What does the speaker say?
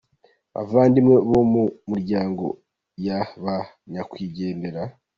Bavandimwe bo mu miryango ya ba Nyakwigendera,.